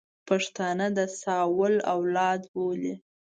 پښتانه د ساول اولاد بولي.